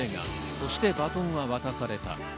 『そして、バトンは渡された』。